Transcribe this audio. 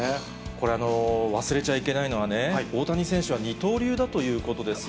これ、忘れちゃいけないのはね、大谷選手は二刀流だということですよ。